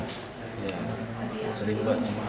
bapak juga sering